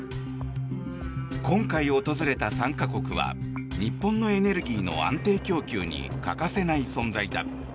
今回訪れた３か国は日本のエネルギーの安定供給に欠かせない存在だ。